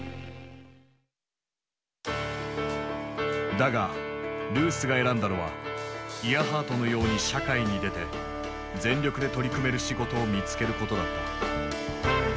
だがルースが選んだのはイアハートのように社会に出て全力で取り組める仕事を見つけることだった。